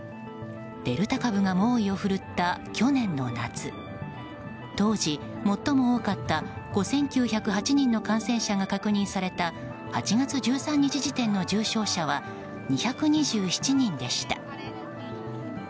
デルタ株が猛威を振るった去年の夏当時、最も多かった５９０８人の感染者が確認された８月１３日時点の重症者は２２７人でした。